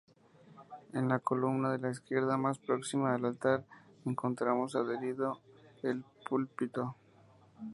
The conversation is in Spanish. En la columna de la izquierda más próxima al altar encontramos adherido el púlpito.